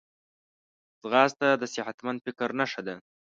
ځغاسته د صحتمند فکر نښه ده